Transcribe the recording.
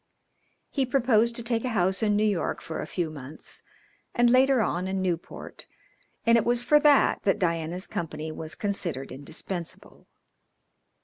He proposed to take a house in New York for a few months and later on in Newport, and it was for that that Diana's company was considered indispensable.